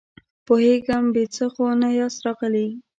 پوهېږم، بې څه خو نه ياست راغلي!